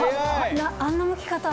あんなむき方。